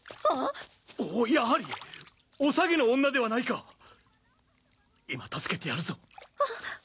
おおやはりおさげの女ではないか今助けてやるぞああ